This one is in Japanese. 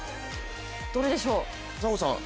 どれでしょう？